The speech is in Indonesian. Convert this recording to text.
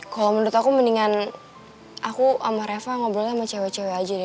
kalau menurut aku mendingan aku sama reva ngobrolnya sama cewek cewek aja deh